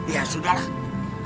ya sudah lah